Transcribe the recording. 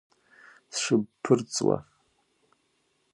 Сшыбԥырҵуа…